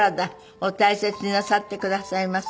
お大切になさってくださいませ」